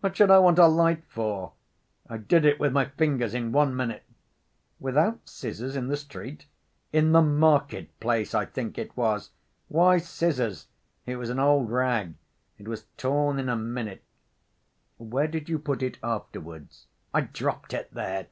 "What should I want a light for? I did it with my fingers in one minute." "Without scissors, in the street?" "In the market‐place I think it was. Why scissors? It was an old rag. It was torn in a minute." "Where did you put it afterwards?" "I dropped it there."